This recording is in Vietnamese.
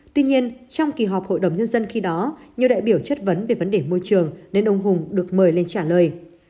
tuy nhiên trong kỳ họp hội đồng nhân dân khi đó nhiều đại biểu chất vấn về vấn đề môi trường nên ông hùng được mời lên trả lời